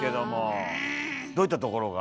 どういったところが？